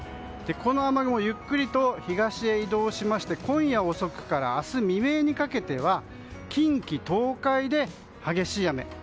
この雨雲、ゆっくり東へ移動しまして今夜遅くから明日未明にかけては近畿・東海で激しい雨。